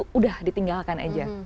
sudah ditinggalkan aja